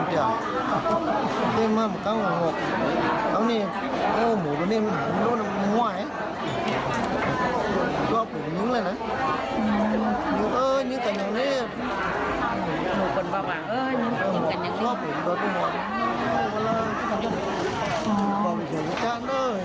พระเจ้าที่อยู่ในเมืองของพระเจ้า